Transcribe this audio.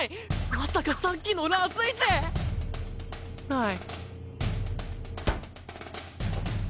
まさかさっきのラス１⁉ない。